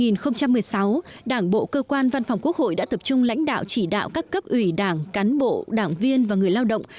năm hai nghìn một mươi sáu đảng bộ cơ quan văn phòng quốc hội đã tập trung lãnh đạo chỉ đạo các cấp ủy đảng cán bộ đảng viên và người lao động